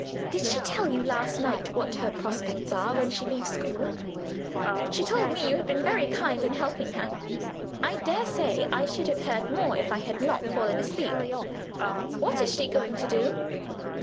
Did she tell you last night what her prospects are when she leaves school?" "She told me you had been very kind in helping her. I daresay I should have heard more, if I had not fallen asleep. What is she going to do?"